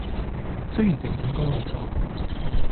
雖然成本高好多